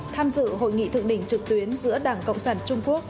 tham dự hội nghị thượng đỉnh trực tuyến giữa đảng cộng sản trung quốc